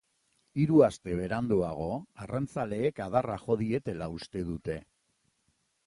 Hiru aste beranduago, arrantzaleek adarra jo dietela uste dute.